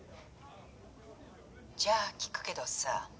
じゃあ聞くけどさ。